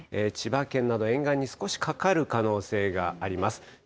千葉県など、沿岸に少しかかる可能性があります。